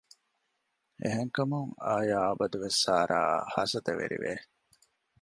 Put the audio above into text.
އެހެންކަމުން އާޔާ އަބަދުވެސް ސާރާއަށް ހަސަދަވެރިވެ